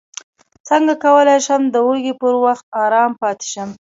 څنګه کولی شم د وږي پر وخت ارام پاتې شم